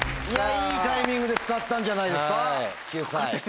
いいタイミングで使ったんじゃないですか救済。